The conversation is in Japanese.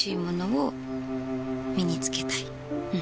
うん。